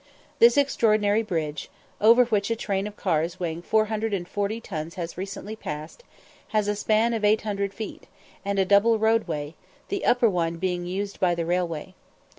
This extraordinary bridge, over which a train of cars weighing 440 tons has recently passed, has a span of 800 feet, and a double roadway, the upper one being used by the railway.